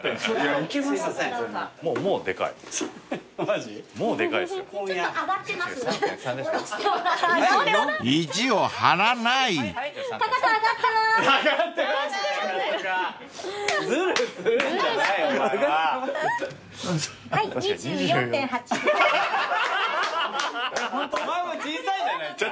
お前も小さいじゃないか。